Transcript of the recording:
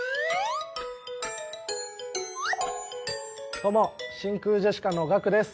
どうも真空ジェシカのガクです。